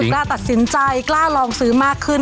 กล้าตัดสินใจกล้าลองซื้อมากขึ้น